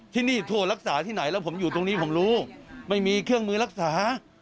ที่นี่โทรรักษาที่ไหนแล้วผมอยู่ตรงนี้ผมรู้ไม่มีเครื่องมือรักษา